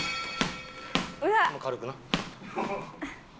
軽くな。